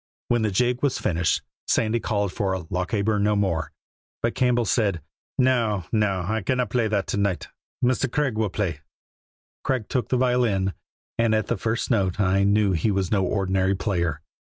When the jig was finished Sandy called for "Lochaber No More," but Campbell said: "No! no! I cannot play that to night. Mr. Craig will play." Craig took the violin, and at the first note I knew he was no ordinary player.